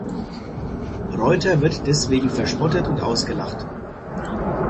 Reuter wird deswegen verspottet und ausgelacht.